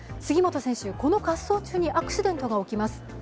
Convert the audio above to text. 杉本選手、この滑走中にアクシデントが起きます。